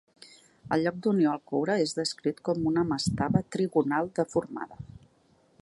El lloc d'unió al coure és descrit com una mastaba trigonal deformada.